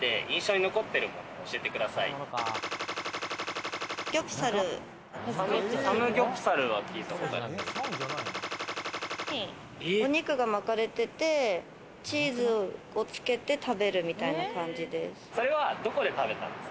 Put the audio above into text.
にお肉が巻かれてて、チーズをつけて食べるみたいな感じです。